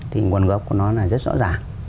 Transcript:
thì nguồn gốc của nó là rất rõ ràng